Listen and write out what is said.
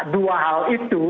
dua hal itu